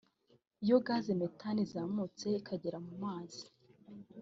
Iyo Gaz Methane izamutse ikagera mu mazi